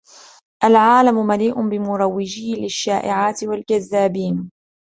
العالم مليء بمروجي الشائعات والكذابين.